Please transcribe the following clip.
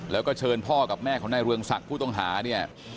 แล้วก็เชิญพ่อกับแม่ของนายเรืองศักดิ์ผู้ต้องหาเนี่ย